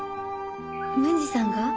文治さんが？